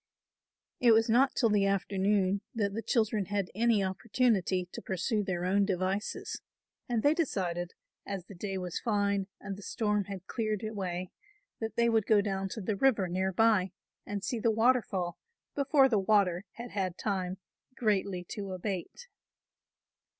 It was not till the afternoon that the children had any opportunity to pursue their own devices and they decided, as the day was fine and the storm had cleared away, that they would go down to the river near by and see the waterfall before the water had had time greatly to abate.